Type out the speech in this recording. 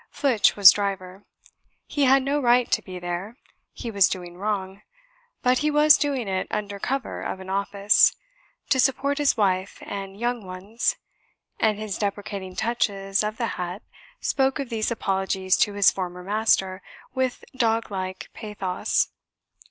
Flitch was driver. He had no right to be there, he was doing wrong, but he was doing it under cover of an office, to support his wife and young ones, and his deprecating touches of the hat spoke of these apologies to his former master with dog like pathos.